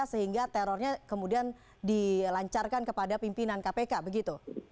sehingga terornya kemudian dilancarkan kepada pimpinan kpk begitu